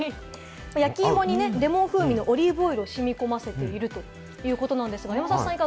焼き芋にレモン風味のオリーブオイルをしみこませているということなんですけれど、山里さんは？